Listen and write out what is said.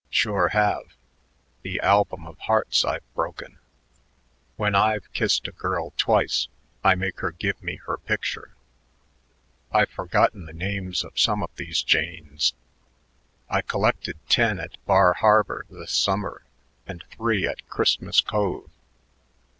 "Sure have. The album of hearts I've broken. When I've kissed a girl twice I make her give me her picture. I've forgotten the names of some of these janes. I collected ten at Bar Harbor this summer and three at Christmas Cove.